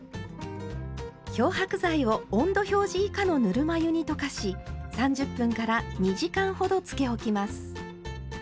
漂白剤を温度表示以下のぬるま湯に溶かし３０分２時間ほどつけ置きます。